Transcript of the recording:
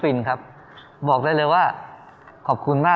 ช่วยฝังดินหรือกว่า